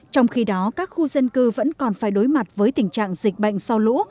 trong khi đó các khu dân cư vẫn còn phải đối mặt với tình trạng dịch bệnh sau lũ